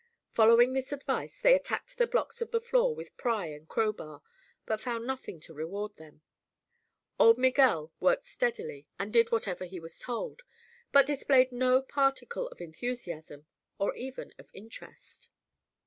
Following this advice they attacked the blocks of the floor with pry and crowbar, but found nothing to reward them. Old Miguel worked steadily and did whatever he was told, but displayed no particle of enthusiasm, or even of interest.